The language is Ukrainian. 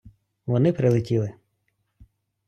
Вони прилетіли.